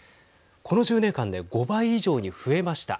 この１０年間で５倍以上に増えました。